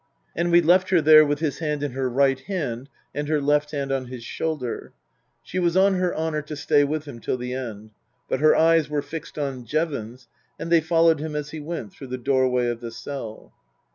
And we left her there with his hand in her right hand and her left hand on his shoulder. She was on her honour to stay with him till the end ; but her eyes were fixed on Jevons, and they followed him as he went through the doorway of the cell.